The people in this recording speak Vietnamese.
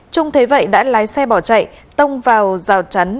trung thế vậy đã lái xe bỏ chạy tông vào rào chắn